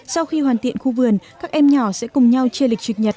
sau khi hoàn tiện khu vườn các em nhỏ sẽ cùng nhau chia lịch truyền nhật